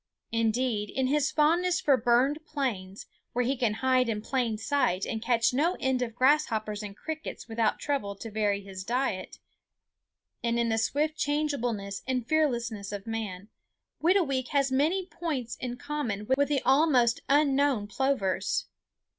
Indeed, in his fondness for burned plains, where he can hide in plain sight and catch no end of grasshoppers and crickets without trouble to vary his diet, and in a swift changeableness and fearlessness of man, Whitooweek has many points in common with the almost unknown plovers.